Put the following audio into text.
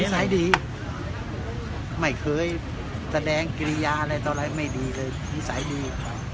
สัยดีไม่เคยแสดงกิริยาอะไรต่ออะไรไม่ดีเลยนิสัยดี